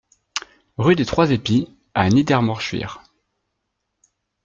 Rue des Trois Epis à Niedermorschwihr